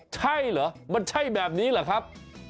ใช่เหรอมันใช่แบบนี้เหรอครับ